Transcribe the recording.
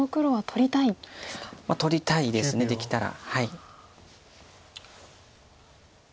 取りたいですできたら。